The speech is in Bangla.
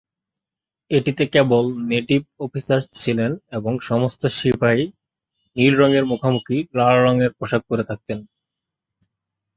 এটিতে কেবল নেটিভ অফিসার ছিল এবং সমস্ত সিপাহী নীল রঙের মুখোমুখি লাল রঙের পোশাক পরে থাকতেন।